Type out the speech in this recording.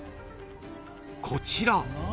［こちら］